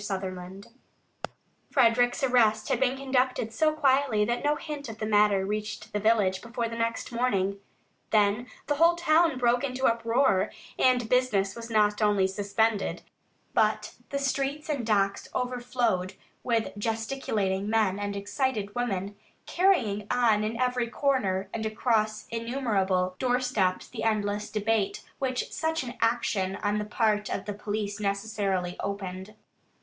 SUTHERLAND Frederick's arrest had been conducted so quietly that no hint of the matter reached the village before the next morning. Then the whole town broke into uproar, and business was not only suspended, but the streets and docks overflowed with gesticulating men and excited women, carrying on in every corner and across innumerable doorsteps the endless debate which such an action on the part of the police necessarily opened.